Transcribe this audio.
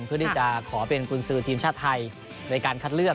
เพื่อที่จะขอเป็นกุญสือทีมชาติไทยในการคัดเลือก